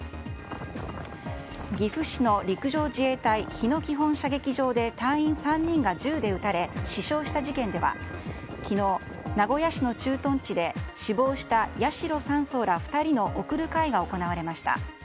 岐阜市の陸上自衛隊日野基本射撃場で隊員３人が銃で撃たれ死傷した事件では昨日、名古屋市の駐屯地で死亡した八代３曹ら２人の送る会が行われました。